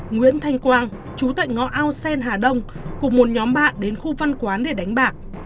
nguyễn thanh quang chú tại ngõ ao sen hà đông cùng một nhóm bạn đến khu văn quán để đánh bạc